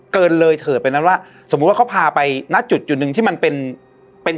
เกินเลยเถิดไปนั้นว่าสมมุติว่าเขาพาไปณจุดจุดหนึ่งที่มันเป็นเป็น